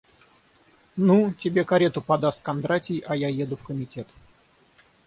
Ну, тебе карету подаст Кондратий, а я еду в комитет.